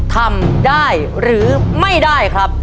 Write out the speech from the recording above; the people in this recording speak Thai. ทำได้หรือไม่ได้ครับ